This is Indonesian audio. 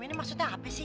ini maksudnya apa sih